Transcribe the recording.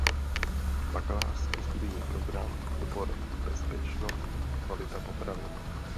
Bakalářský studijní program obor Bezpečnost a kvalita potravin.